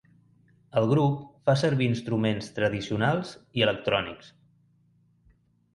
El grup fa servir instruments tradicionals i electrònics.